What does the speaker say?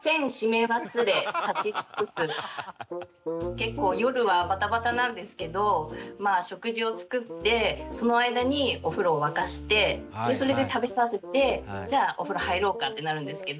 結構夜はバタバタなんですけど食事を作ってその間にお風呂を沸かしてでそれで食べさせてじゃあお風呂入ろうかってなるんですけど。